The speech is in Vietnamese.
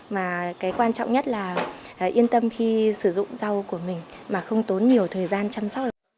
mà cái quan trọng nhất là yên tâm khi sử dụng rau của mình mà không tốn nhiều thời gian chăm sóc